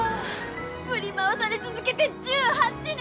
振り回され続けて１８年！